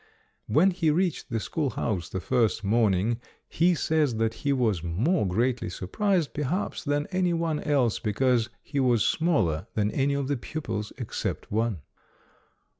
When he reached the schoolhouse the first morning, he says that he was more greatly surprised perhaps than any one else, because he was smaller than any of the pupils except one.